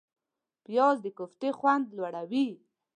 پیاز د کوفتې خوند لوړوي